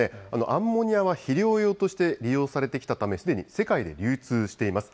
アンモニアは肥料用として利用されてきたため、すでに世界で流通しています。